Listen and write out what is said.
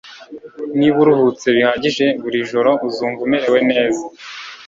Niba uruhutse bihagije buri joro, uzumva umerewe neza.